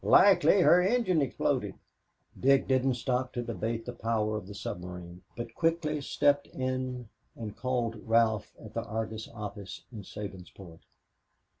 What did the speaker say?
Likely her engine exploded." Dick didn't stop to debate the power of the submarine, but quickly stepped in and called Ralph at the Argus office in Sabinsport.